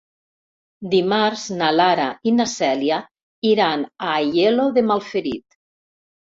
Dimarts na Lara i na Cèlia iran a Aielo de Malferit.